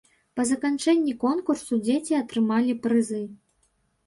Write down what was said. Па заканчэнні конкурсу дзеці атрымалі прызы.